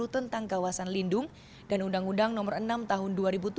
tentang kawasan lindung dan undang undang nomor enam tahun dua ribu tujuh